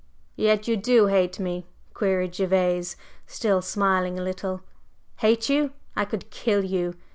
"Yet you do hate me?" queried Gervase, still smiling a little. "Hate you? I could kill you!